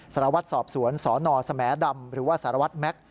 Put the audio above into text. สารวัตรสอบสวนสนสแหมดำหรือว่าสารวัตรแม็กซ์